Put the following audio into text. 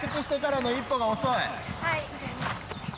はい。